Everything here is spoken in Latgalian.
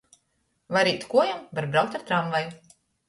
Var īt kuojom, var braukt ar tramvaju.